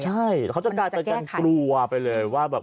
ใช่เขาจะกลายเป็นกันกลัวไปเลยว่าแบบ